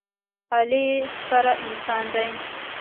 علي سپېره انسان دی.